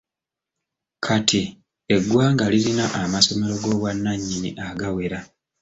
Kati, eggwanga lirina amasomero g'obwannanyini agawera.